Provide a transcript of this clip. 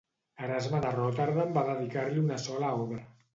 Erasme de Rotterdam va dedicar-li una sola obra.